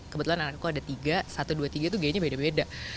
kebetulan anakku ada tiga satu dua tiga itu kayaknya beda beda